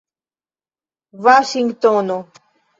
vaŝingtono